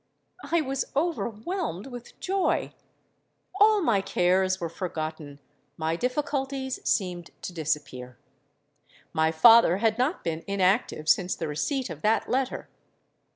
I was overwhelmed with joy: all my cares were forgotten—my difficulties seemed to disappear. My father had not been inactive since the receipt of that letter.